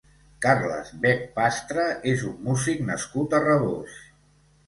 Carles Bech Pastra és un músic nascut a Rabós.